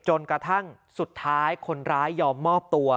จนกระทั่งสุดท้ายคนร้ายยอมมอบตัว